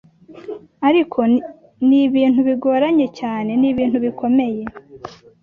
ariko ni ibintu bigoranye cyane ni ibintu bikomeye